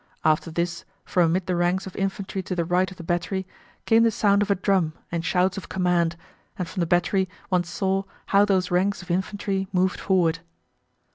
After this from amid the ranks of infantry to the right of the battery came the sound of a drum and shouts of command, and from the battery one saw how those ranks of infantry moved forward.